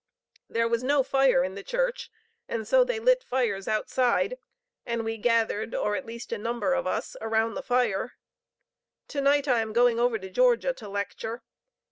There was no fire in the church, and so they lit fires outside, and we gathered, or at least a number of us, around the fire. To night I am going over to Georgia to lecture.